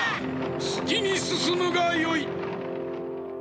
すきにすすむがよい。